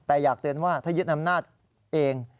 แต่อยากเตือนว่าถ้ายึดอำนาจเอง